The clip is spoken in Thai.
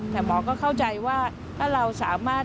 แต่หมอก็เข้าใจว่าถ้าเราสามารถ